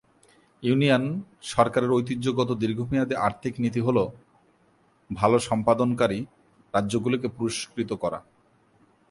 Union সরকারের ঐতিহ্যগত দীর্ঘমেয়াদী আর্থিক নীতি হ'ল ভাল-সম্পাদনকারী রাজ্যগুলিকে পুরস্কৃত করা।